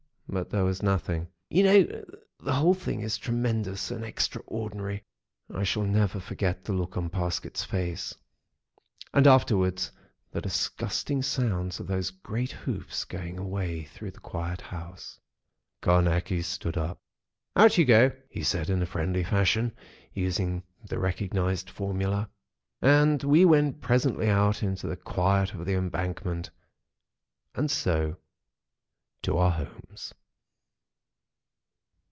But there was nothing. "You know, the whole thing is tremendous and extraordinary. I shall never forget the look on Parsket's face. And afterwards the disgusting sounds of those great hoofs going away through the quiet house." Carnacki stood up: "Out you go!" he said in friendly fashion, using the recognised formula. And we went presently out into the quiet of the Embankment, and so to our homes.